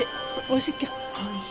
おいしい。